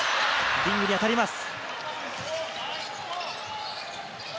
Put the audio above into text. リングにあたります。